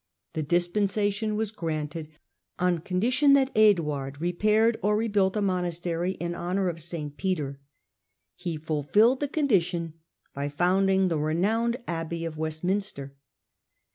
The dispensation was granted, on condition that Eadward repaired or rebuilt a monastery in honour of Digitized by VjOOQIC ?2 HiLDEBSAND St. Peter. He fulfilled the condition by founding the^ renowned abbey of Westminster.